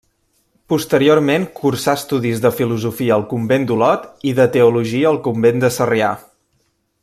Posteriorment, cursà estudis de filosofia al convent d’Olot i de teologia al convent de Sarrià.